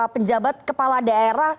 penjabat kepala daerah